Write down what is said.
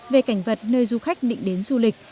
về cảnh vật nơi du khách định đến du lịch